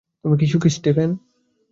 তুমি কি সুখী, স্টিফেন?